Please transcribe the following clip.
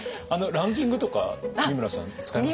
ランキングとか美村さん使います？